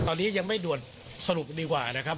ตอนนี้ยังไม่ด่วนสรุปดีกว่านะครับ